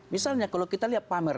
misalnya kalau kita lihat pamer